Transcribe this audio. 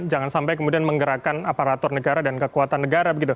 jangan sampai kemudian menggerakkan aparatur negara dan kekuatan negara begitu